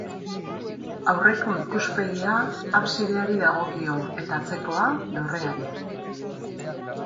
Aurreko ikuspegia absideari dagokio, eta atzekoa dorreari.